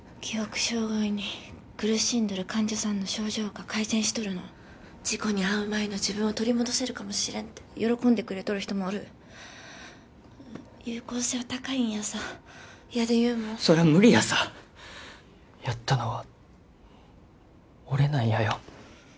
障害に苦しんどる患者さんの症状が改善しとるの事故に遭う前の自分を取り戻せるかもしれんって喜んでくれとる人もおる有効性は高いんやさやで優もそら無理やさやったのは俺なんやよ